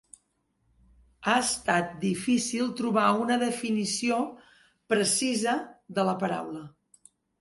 Ha estat difícil trobar una definició precisa de la paraula.